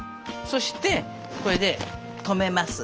そしてこれで止めます。